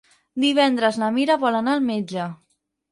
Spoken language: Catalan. Divendres na Mira vol anar al metge.